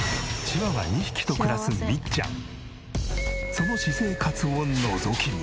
その私生活をのぞき見。